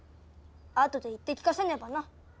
あとで言って聞かせねばな。